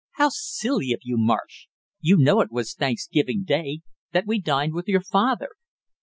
"How silly of you, Marsh, you know it was Thanksgiving day, that we dined with your father."